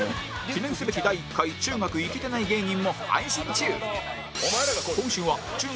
記念すべき第１回中学イケてない芸人も配信中